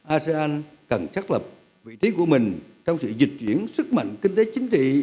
asean cần chắc lập vị trí của mình trong sự dịch diễn sức mạnh kinh tế chính trị